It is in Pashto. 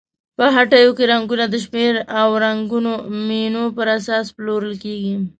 په هټیو کې رنګونه د شمېر او رنګونو مینو پر اساس پلورل کیږي.